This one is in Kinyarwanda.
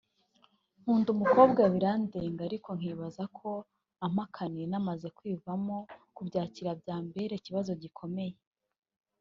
nkunda umukobwa birandenga ariko nkibaza ko ampakaniye namaze kwivamo kubyakira byambera ikibazo gikomeye